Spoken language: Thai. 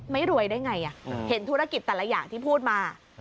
ไม่รวยได้ไงเห็นธุรกิจแต่ละอย่างที่พูดมา